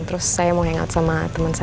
terus saya mau hangout sama teman saya